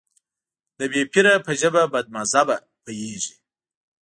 د بې پيره په ژبه بدمذهبه پوهېږي.